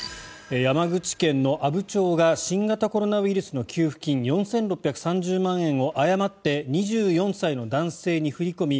山口県の阿武町が新型コロナウイルスの給付金４６３０万円を誤って２４歳の男性に振り込み